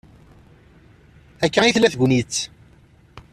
Akka ay tella tegnit.